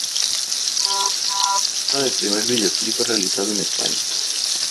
Se trata del primer videoclip realizado en España.